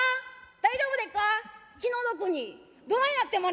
大丈夫でっか？」。